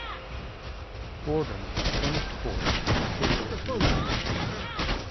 Fordham finished fourth in the Patriot League.